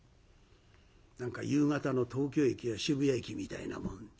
何か夕方の東京駅や渋谷駅みたいなもん。